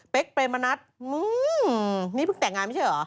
เป็นเปรมณัฐนี่เพิ่งแต่งงานไม่ใช่เหรอ